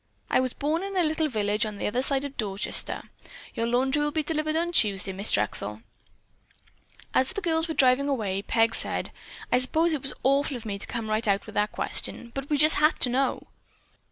"I was born in a little village on the other side of Dorchester. Your laundry will be delivered on Tuesday, Miss Drexel." As the girls were driving away. Peg said: "I suppose it was awful of me to come right out with that question, but we just had to know."